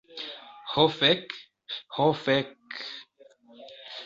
Ho fek... ho fek'...